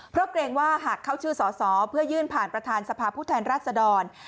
เพราะเกรงว่าหากเข้าชื่อสอสอเพื่อยื่นผ่านประธานสภาพผู้แทนราชดร